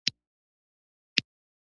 ابرهه د کعبې د ورانولو لپاره را وخوځېد.